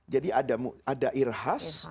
jadi ada irhas